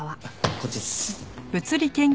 こっちです。